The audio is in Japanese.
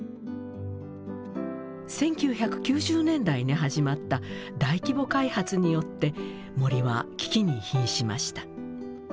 １９９０年代に始まった大規模開発によって森は危機にひんしました。